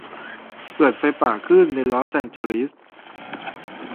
เกิดไฟป่าขึ้นในลอสแองเจลิส